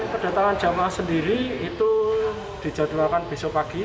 kedatangan jamaah sendiri itu dijadwalkan besok pagi